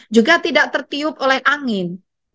juga tidak tertiup oleh angin